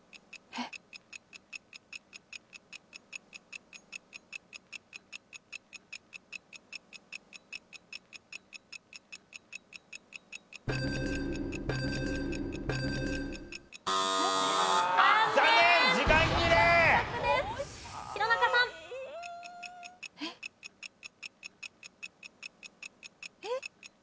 えっ？えっ？